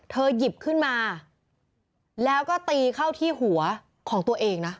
หยิบขึ้นมาแล้วก็ตีเข้าที่หัวของตัวเองนะ